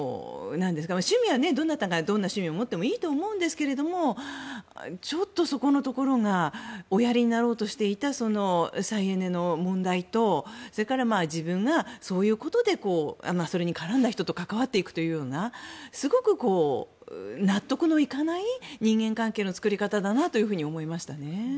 どなたがどんな趣味を持ってもいいと思いますがちょっと、そこのところがおやりになろうとしていた再エネの問題と自分がそういうことでそれに絡んだ人と関わっていくというようなすごく納得のいかない人間関係の作り方だなと思いました。